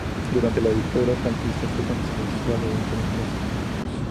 Durante la Dictadura franquista fue concejal del Ayuntamiento de Barcelona.